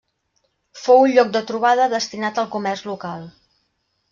Fou un lloc de trobada destinat al comerç local.